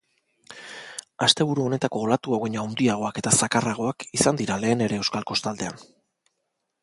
Asteburu honetako olatuak baino handiagoak eta zakarragoak izan dira lehen ere euskal kostaldean.